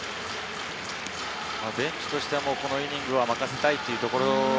ベンチとしてもこのイニングは任せたいというところ。